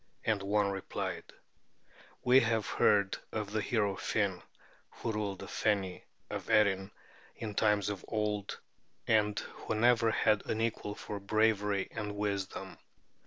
And one replied: "We have heard of the hero Finn, who ruled the Feni of Erin in times of old, and who never had an equal for bravery and wisdom.